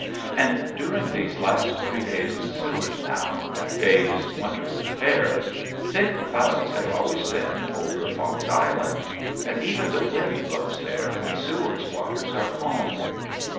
And during these three days in Seward now, days wonderfully fair, thick clouds have always been over Fox Island. And even the wind blows there when Seward's waters are calm.